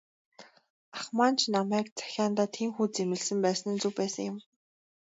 Ах маань ч намайг захиандаа тийнхүү зэмлэсэн байсан нь зөв байсан юм.